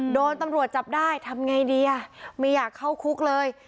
โดนตำรวจจับได้ทำไงดีอ่ะไม่อยากเข้าคุกเลย